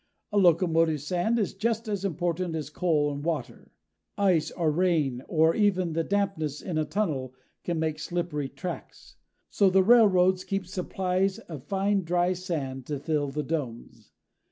A locomotive's sand is just as important as coal and water. Ice or rain or even the dampness in a tunnel can make slippery tracks. So the railroads keep supplies of fine dry sand to fill the domes.